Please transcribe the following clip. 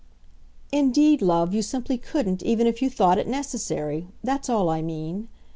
"Indeed, love, you simply COULDN'T even if you thought it necessary that's all I mean.